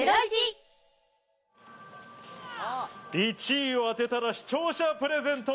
１位を当てたら視聴者プレゼント。